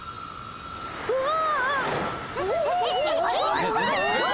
うわ！